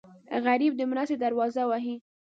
غریب د مرستې دروازه وهي